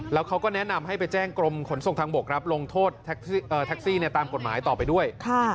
แล้วเขาก็แนะนำให้ไปแจ้งกรมขนส่งทางบกครับลงโทษแท็กซี่ตามกฎหมายต่อไปด้วย